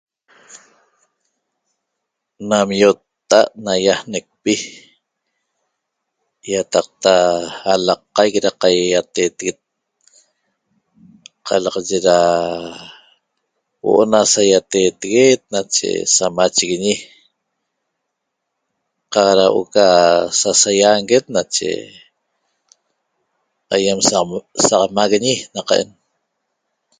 Nam iota'at naiaanecpi iataqta 'alaqaic ra qaiateteguet qalaxaye ra huo'o na saiateteguet nache samachiguiñi qaq ra huo'o ca sasaianguet nache aiem sam samaguiñi naqa'en